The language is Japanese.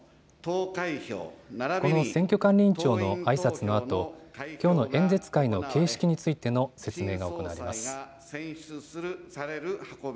この選挙管理委員長のあいさつのあと、きょうの演説会の形式についての説明が行われます。